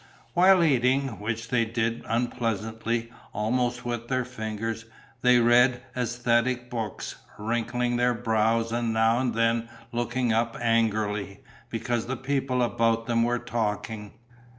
While eating, which they did unpleasantly, almost with their fingers, they read æsthetic books, wrinkling their brows and now and then looking up angrily, because the people about them were talking.